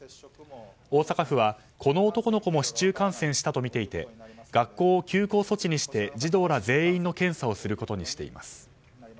大阪府はこの男の子も市中感染したとみていて学校を休校措置にして児童ら全員の検査をすることにしています。